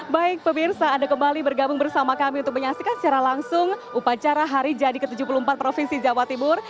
baik pemirsa anda kembali bergabung bersama kami untuk menyaksikan secara langsung upacara hari jadi ke tujuh puluh empat provinsi jawa timur